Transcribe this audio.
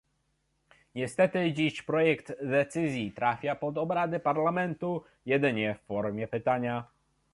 Niestety dziś projekt decyzji trafia pod obrady Parlamentu jedynie w formie pytania